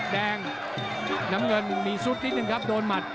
น้ำเงินมีซุดนิดนึงครับโดนหมัด